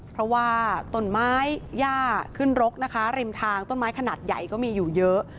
เพราะว่าต้นไม้ย่าขึ้นรกนะคะริมทางต้นไม้ขนาดใหญ่ก็มีอยู่เยอะ